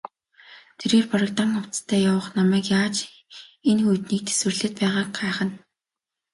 Тэрээр бараг дан хувцастай явах намайг яаж энэ хүйтнийг тэсвэрлээд байгааг гайхна.